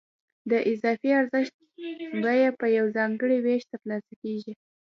د اضافي ارزښت بیه په یو ځانګړي وېش ترلاسه کېږي